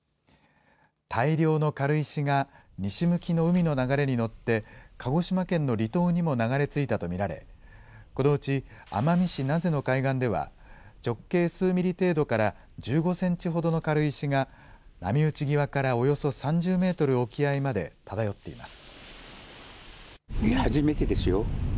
大量の軽石が、西向きの海の流れに乗って、鹿児島県の離島にも流れ着いたと見られ、このうち奄美市名瀬の海岸では、直径数ミリ程度から１５センチほどの軽石が、波打ち際からおよそ３０メートル沖合まで漂っています。